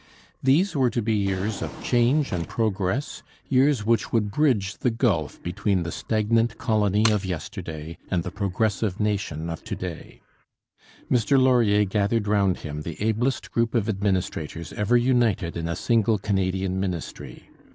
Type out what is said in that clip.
These were to be years of change and progress, years which would bridge the gulf between the stagnant colony of yesterday and the progressive nation of to day. [Illustration: The Liberal Government formed by Mr. Laurier in 1896.] Mr Laurier gathered round him the ablest group of administrators ever united in a single Canadian Ministry.